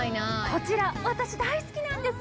こちら私大好きなんですよ。